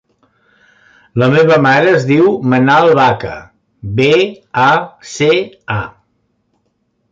La meva mare es diu Manal Baca: be, a, ce, a.